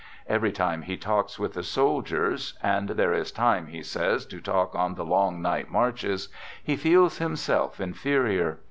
Every time he talks with the soldiers — and there is time, he says, to talk on the long night marches — he feels himself inferior.